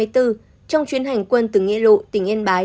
trong chuyến hành quân từ nghệ lộ tỉnh yên bái